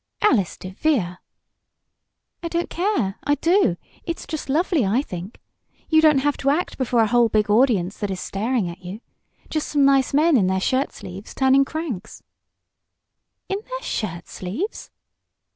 "Alice DeVere!" "I don't care; I do! It's just lovely, I think. You don't have to act before a whole big audience that is staring at you. Just some nice men, in their shirt sleeves, turning cranks " "In their shirt sleeves?"